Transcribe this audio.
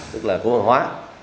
tức là cổ văn hóa